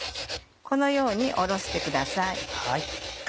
このようにおろしてください。